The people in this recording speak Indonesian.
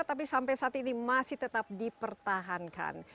tapi sampai saat ini masih tetap dipertahankan